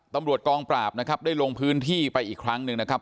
ตำรวจกองปราบนะครับได้ลงพื้นที่ไปอีกครั้งหนึ่งนะครับ